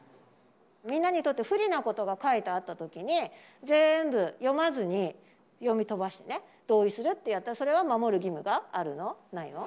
みんなにとって不利なことが書いてあったときに、全部読まずに、読み飛ばして同意するってやったら、それは守る義務があるの？ないの？